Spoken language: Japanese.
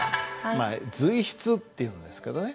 まあ随筆というんですけどね。